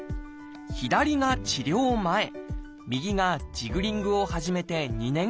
左が治療前右がジグリングを始めて２年後です。